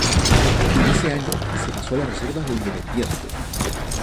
En ese año se pasó a las reservas de Independiente.